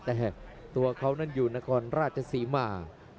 แต่ตัวเขานั้นอยู่นครราชศรีมา